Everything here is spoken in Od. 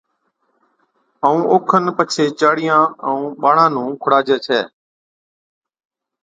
ائُون اوکن پڇي چاڙِيان نُون ائُون ٻاڙان نُون کُڙاجَي ڇَي